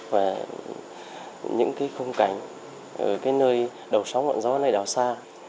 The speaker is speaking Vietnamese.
và những không cảnh ở nơi đầu sóng ngọn gió nơi đảo xa